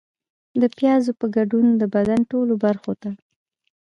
د پیازو په ګډون د بدن ټولو برخو ته